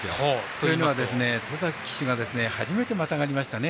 というのは、戸崎騎手が初めてまたがりましたね。